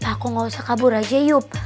aku gak usah kabur aja yuk